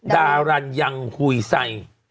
ดารันยังฮุยไส้